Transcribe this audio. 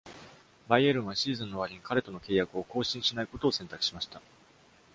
バイエルンはシーズンの終わりに彼との契約を更新しないことを選択しました。